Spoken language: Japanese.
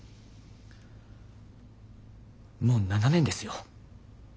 もう７年ですよ？